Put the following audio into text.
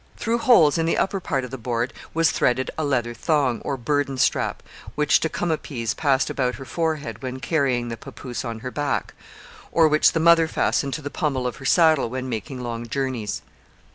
Through holes in the upper part of the board was threaded a leather thong, or burden strap, which Tecumapease passed about her forehead when carrying the papoose on her back, or which the mother fastened to the pommel of her saddle when making long journeys.